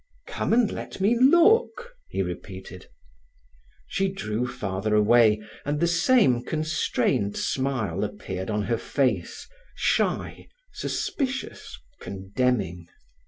"Come and let me look," he repeated. She drew farther away, and the same constrained smile appeared on her face, shy, suspicious, condemning.